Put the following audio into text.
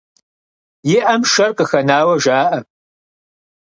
И Ӏэм шэр къыхэнауэ жаӀэ.